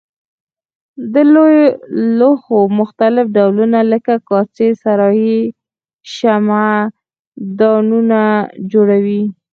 د لوښو مختلف ډولونه لکه کاسې صراحي شمعه دانونه جوړوي.